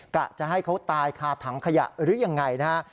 กะจะให้เขาตายคาถังขยะหรือยังไงนะฮะ